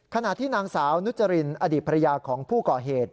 ขณะที่นางสาวนุจรินอดีตภรรยาของผู้ก่อเหตุ